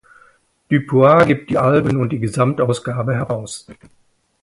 Dupuis gibt die Alben und die Gesamtausgabe heraus.